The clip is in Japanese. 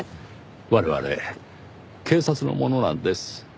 我々警察の者なんです。